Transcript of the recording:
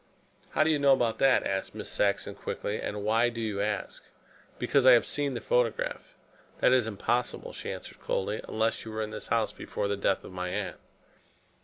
"How do you know about that?" asked Miss Saxon quickly. "And why do you ask?" "Because I have seen the photograph." "That is impossible," she answered coldly; "unless you were in this house before the death of my aunt."